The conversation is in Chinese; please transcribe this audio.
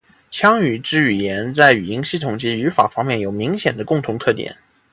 羌语支语言在语音系统及语法方面有明显的共同特点。